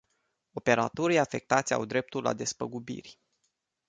Operatorii afectați au dreptul la despăgubiri.